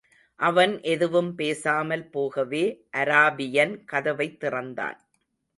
அவன் எதுவும் பேசாமல் போகவே, அராபியன் கதவைத் திறந்தான்.